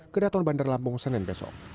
kedaton bandar lampung senin besok